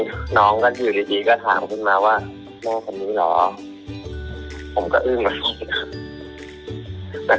เห้ยแม่คนเหี้ยหรอแม่คนเสี้ยข้าวแล้วแม่คนไหนไอ้ทันวะมึง